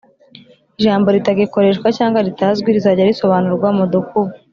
ijambo ritagikoreshwa cg ritazwi rizajya risobanurwa mudukubo